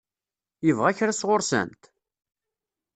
Yebɣa kra sɣur-sent?